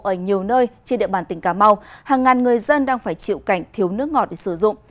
ở nhiều nơi trên địa bàn tỉnh cà mau hàng ngàn người dân đang phải chịu cảnh thiếu nước ngọt để sử dụng